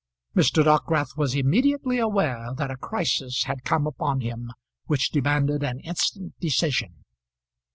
Mr. Dockwrath was immediately aware that a crisis had come upon him which demanded an instant decision.